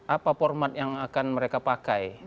apa format yang akan mereka pakai